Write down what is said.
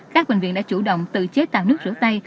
các bệnh viện đã chủ động tự chế tặng nước rửa tay